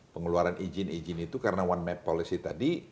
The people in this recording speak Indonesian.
pengeluaran izin izin itu karena one map policy tadi